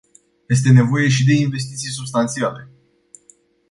Este nevoie și de investiții substanțiale.